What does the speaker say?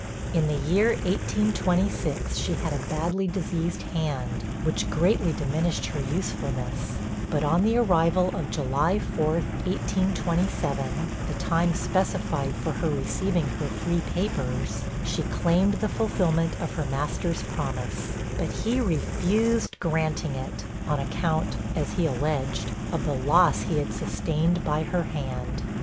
In the year 1826, she had a badly diseased hand, which greatly diminished her usefulness; but on the arrival of July 4, 1827, the time specified for her receiving her 'free papers,' she claimed the fulfilment of her master's promise; but he refused granting it, on account (as he alleged) of the loss he had sustained by her hand.